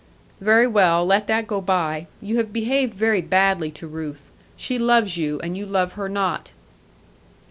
'Very well. Let that go by. You have behaved very badly to Ruth. She loves you; and you love her not.'